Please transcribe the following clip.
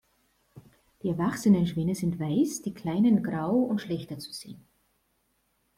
Die erwachsenen Schwäne sind weiß, die kleinen grau und schlechter zu sehen.